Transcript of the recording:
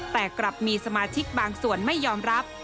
แต่กลับมีสมาชิกบางส่วนไม่ยอมรับ